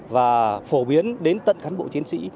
và phổ biến đến tận cán bộ chiến sĩ